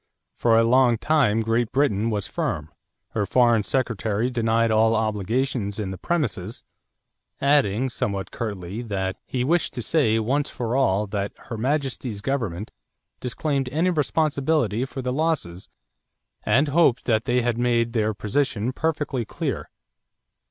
For a long time Great Britain was firm. Her foreign secretary denied all obligations in the premises, adding somewhat curtly that "he wished to say once for all that Her Majesty's government disclaimed any responsibility for the losses and hoped that they had made their position perfectly clear."